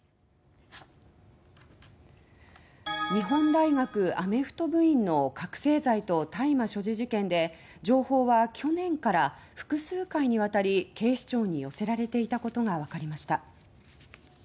日本大学アメフト部員の覚せい剤と大麻所持事件で情報は去年から複数回にわたり警視庁に寄せられていたことがわかりました。